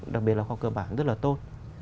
đặc biệt là khoa cơ bản rất là tốt